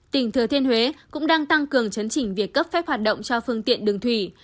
tỉnh thừa thiên huế cũng đang tăng cường chấn chỉnh việc cấp phép hoạt động cho phương tiện đường thủy